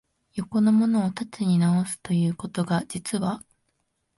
横のものを縦に直す、ということが、実は、